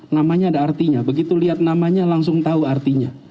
namanya ada artinya begitu lihat namanya langsung tahu artinya